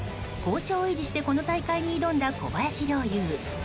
好調を維持してこの大会に挑んだ小林陵侑。